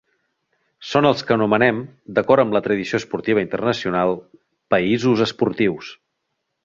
Són els que anomenem, d'acord amb la tradició esportiva internacional, països esportius.